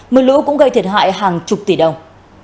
mưa lũ cũng gây thiệt hại hàng chục tỷ đồng